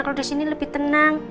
kalau di sini lebih tenang